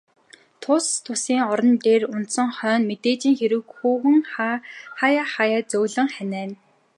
Тус тусын ор дэвсгэр дээр унтсан хойно, мэдээжийн хэрэг хүүхэн хааяа хааяа зөөлөн ханиана.